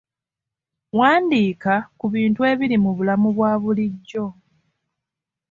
Wandiika ku bintu ebiri mu bulamu bwa bulijjo.